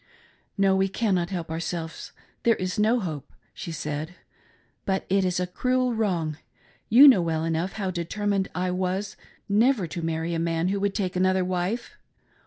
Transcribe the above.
"No, we cannot help ourselves— there is no hope;" sh<» said; "but it is a cruel wrong. You know well enough how determined I was never to marry a man who \v*ould take another wife.